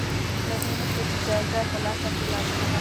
له دې مخکې چې جايزه ترلاسه کړې لازمه ده.